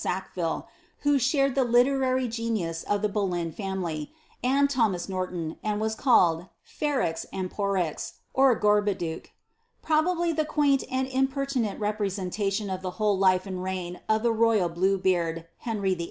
147 ackTille (who shared the literary irenius of the Boleyn family), and rhomas Norton, and was called, " Ferrex and Porrex, or Gorbaduc.'* *robably the quaint and impertinent representation of the whole life and eign of the royal Blue beard, Henry Vllf.